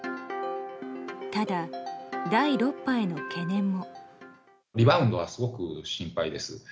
ただ、第６波への懸念も。